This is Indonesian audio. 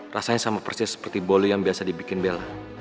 rasanya sama persis seperti bolu yang biasa dibikin bella